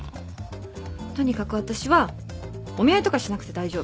とにかく私はお見合いとかしなくて大丈夫。